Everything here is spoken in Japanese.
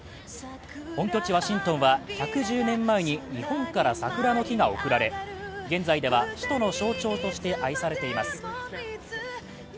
本拠地ワシントンは１１０年前に日本から桜の木が贈られ現在では首都の象徴として愛されています。